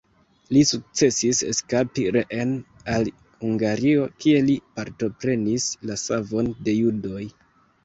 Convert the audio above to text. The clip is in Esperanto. Li sukcesis eskapi reen al Hungario kie li partoprenis la savon de judoj.